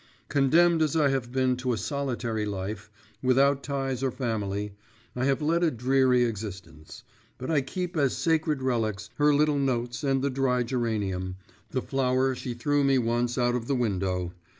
Condemned as I have been to a solitary life, without ties or family, I have led a dreary existence; but I keep as sacred relics, her little notes and the dry geranium, the flower she threw me once out of the window.